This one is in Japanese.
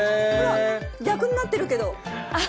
逆になってるけど。